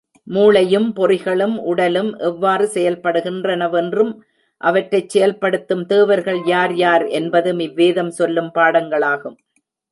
மூளையும் பொறிகளும் உடலும் எவ்வாறு செயல்படுகின்றனவென்றும் அவற்றைச் செயல்படுத்தும் தேவர்கள் யார் யார் என்பதும் இவ்வேதம் சொல்லும் பாடங்களாகும்.